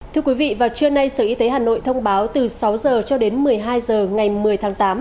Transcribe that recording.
thưa quý vị vào trưa nay sở y tế hà nội thông báo từ sáu h cho đến một mươi hai h ngày một mươi tháng tám